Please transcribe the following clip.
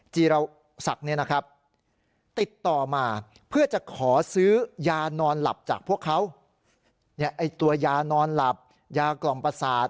จากพวกเขาเนี่ยไอ้ตัวยานอนหลับยากล่องประสาท